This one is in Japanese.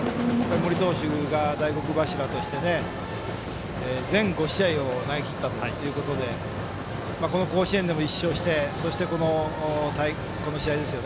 森投手が大黒柱として全５試合を投げきったということでこの甲子園でも１勝してそして、この試合。